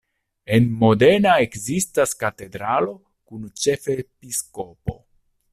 En Modena ekzistas katedralo kun ĉefepiskopo.